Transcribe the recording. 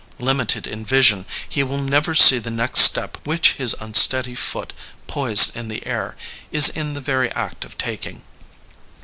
Limited in vision, he will never see the next step which his unsteady foot, poised in the air, is in the very act of taking.